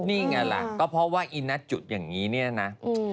นี่ไงล่ะก็เพราะว่าอีณจุดอย่างนี้เนี่ยนะ